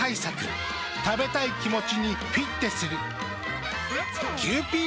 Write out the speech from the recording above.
食べたい気持ちにフィッテする。